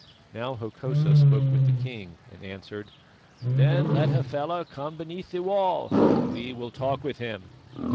Now Hokosa spoke with the king, and answered: "Then let Hafela come beneath the wall and we will talk with him."